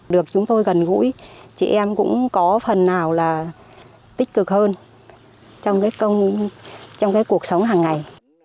được chúng tôi gần gũi chị em cũng có phần nào là tích cực hơn trong cuộc sống hàng ngày